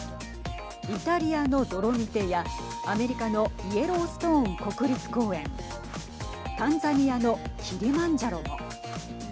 イタリアのドロミテやアメリカのイエローストーン国立公園タンザニアのキリマンジャロも。